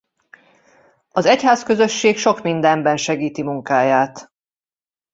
Az egyházközösség sok mindenben segíti munkáját.